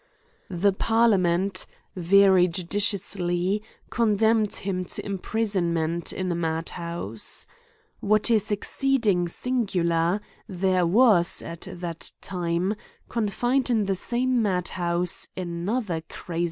The parliament, very judiciously, condemned him to imprisonment in a mad house. What is exceeding singular, there was, at that time, confined in the same mad housC; another crazy * Jacob Spohn, page 500.